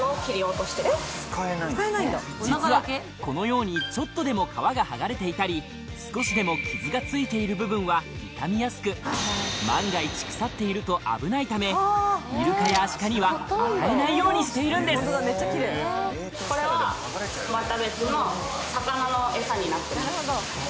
実はこのようにちょっとでも皮が剥がれていたり少しでも傷がついている部分は傷みやすく万が一腐っていると危ないためイルカやアシカには与えないようにしているんですこれはまた。